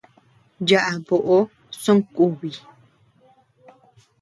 Yaʼa boʼo sonkubi.